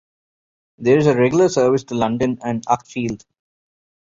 There is a regular service to London and Uckfield.